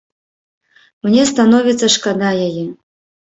Мне становіцца шкада яе.